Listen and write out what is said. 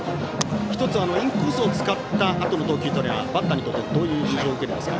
１つ、インコースを使ったあとの投球はバッターにとってどういう印象を受けるんですか。